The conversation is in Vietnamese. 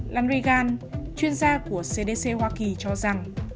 larigan chuyên gia của cdc hoa kỳ cho rằng